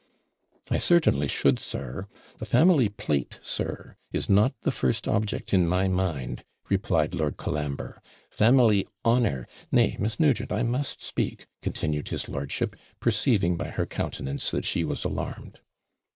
'I certainly should, sir. The family plate, sir, is not the first object in my mind,' replied Lord Colambre; 'family honour Nay, Miss Nugent, I must speak,' continued his lordship, perceiving; by her countenance, that she was alarmed.